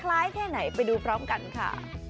คล้ายแค่ไหนไปดูพร้อมกันค่ะ